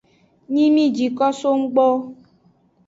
Nyi mi ji ko so nggbo.